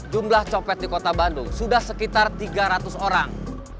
jumlah copet di kota bandung sudah sekitar tiga ratus orang